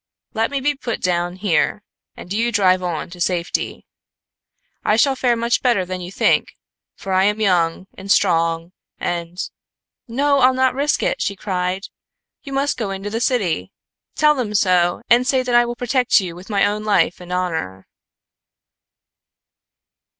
Let me be put down here, and do you drive on to safety. I shall fare much better than you think, for I am young and strong and " "No! I'll risk it," she cried. "You must go into the city. Tell them so and say that I will protect you with my own life and honor."